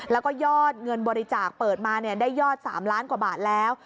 แล้วก็ยอดเงินบริจาคเปิดมาได้ยอด๓ล้านกว่าบาทแล้ว